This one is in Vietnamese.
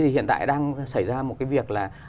hiện tại đang xảy ra một cái việc là